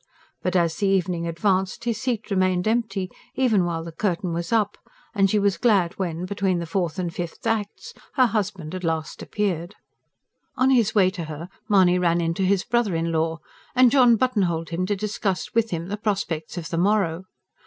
But as the evening advanced his seat remained empty even while the curtain was up, and she was glad when, between the fourth and fifth acts, her husband at last appeared. On his way to her Mahony ran into his brother in law, and John buttonholed him to discuss with him the prospects of the morrow.